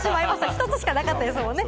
１つしかなかったですもんね。